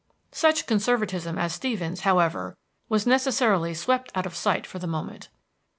Such conservatism as Stevens's, however, was necessarily swept out of sight for the moment.